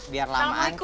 biar lamaan kak